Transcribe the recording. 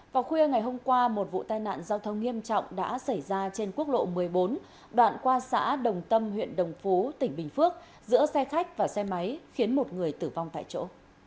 vào khuya ngày hôm qua một vụ tai nạn giao thông nghiêm trọng đã xảy ra trên quốc lộ một mươi bốn đoạn qua xã đồng tâm huyện đồng phú tỉnh bình phước giữa xe khách và xe máy khiến một người tử vong tại chỗ